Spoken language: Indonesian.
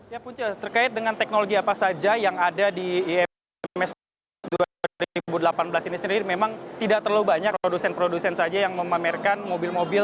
ya punca terkait dengan teknologi apa saja yang ada di ims dua ribu delapan belas ini sendiri memang tidak terlalu banyak produsen produsen saja yang memamerkan mobil mobil